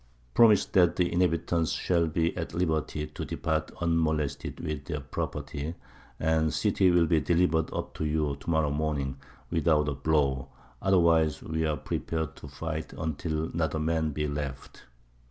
Promise that the inhabitants shall be at liberty to depart unmolested with their property, and the city will be delivered up to you to morrow morning without a blow; otherwise we are prepared to fight until not a man be left."